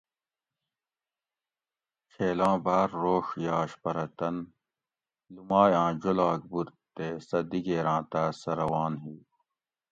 چھیلاں باۤر روڛ یاش پرہ تن لومائ آں جولاگ بود تے سہ دیگیراں تاس سہ روان ہی